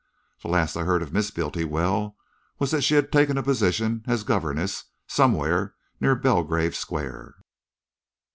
"The last I heard of Miss Bultiwell was that she had taken a position as governess somewhere near Belgrave Square."